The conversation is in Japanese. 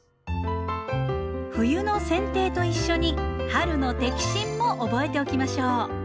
冬のせん定と一緒に春の摘心も覚えておきましょう。